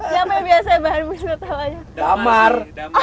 yang apa yang biasanya bahan tertawanya